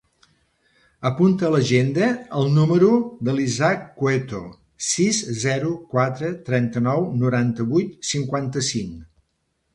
Apunta a l'agenda el número de l'Ishaq Cueto: sis, zero, quatre, trenta-nou, noranta-vuit, cinquanta-cinc.